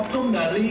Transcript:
kita harus bersihkan